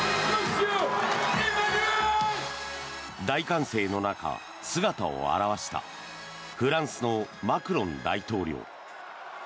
大歓声の中、姿を現したフランスのマクロン大統領。